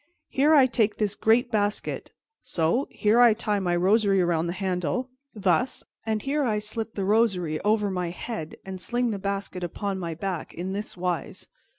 Here I take this great basket, so; here I tie my rosary around the handle, thus; and here I slip the rosary over my head and sling the basket upon my back, in this wise."